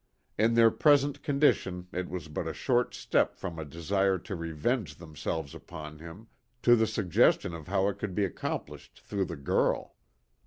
In their present condition it was but a short step from a desire to revenge themselves upon him, to the suggestion of how it could be accomplished through the girl.